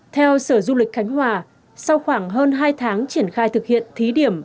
theo sở du lịch khánh hòa sau khoảng hơn hai tháng triển khai thực hiện thí điểm